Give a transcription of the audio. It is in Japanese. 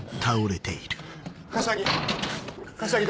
柏木！